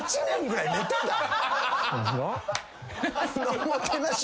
おもてなし